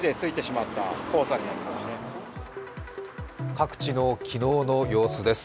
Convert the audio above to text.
各地の昨日の様子です。